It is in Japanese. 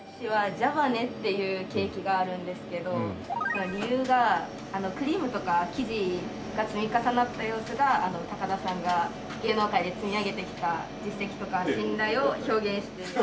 ジャヴァネっていうケーキがあるんですけど理由がクリームとか生地が積み重なった様子が高田さんが芸能界で積み上げてきた実績とか信頼を表現して。